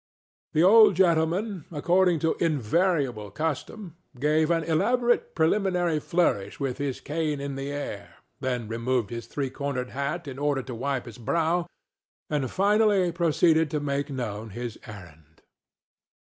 The old gentleman, according to invariable custom, gave an elaborate preliminary flourish with his cane in the air, then removed his three cornered hat in order to wipe his brow, and finally proceeded to make known his errand.